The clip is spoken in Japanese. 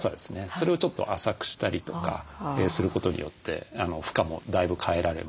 それをちょっと浅くしたりとかすることによって負荷もだいぶ変えられますし